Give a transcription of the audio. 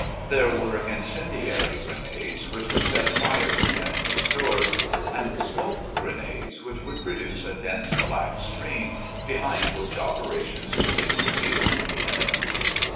There were incendiary grenades which would set fire to enemy stores, and smoke grenades which would produce a dense black screen behind which operations could be concealed from the enemy.